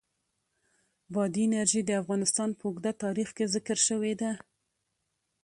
بادي انرژي د افغانستان په اوږده تاریخ کې ذکر شوې ده.